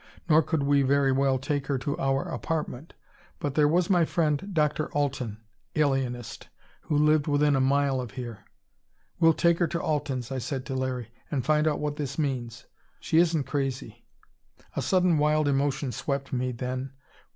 Nor could we very well take her to our apartment. But there was my friend Dr. Alten, alienist, who lived within a mile of here. "We'll take her to Alten's," I said to Larry, "and find out what this means. She isn't crazy." A sudden wild emotion swept me, then.